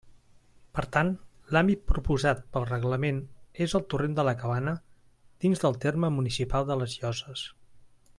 Per tant, l'àmbit proposat pel reglament és el Torrent de la Cabana dins del terme municipal de les Llosses.